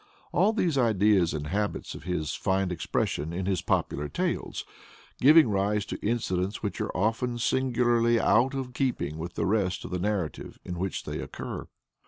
All these ideas and habits of his find expression in his popular tales, giving rise to incidents which are often singularly out of keeping with the rest of the narrative in which they occur.